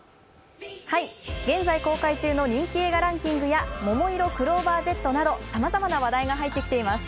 現在公開中の人気映画ランキングやももいろクローバーＺなどさまざまな話題が入ってきています。